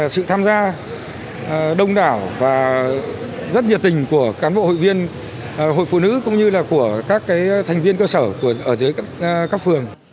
sự tham gia đông đảo và rất nhiệt tình của cán bộ hội viên hội phụ nữ cũng như là của các thành viên cơ sở ở dưới các phường